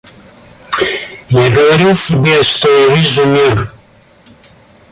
Я говорил себе, что я вижу мир.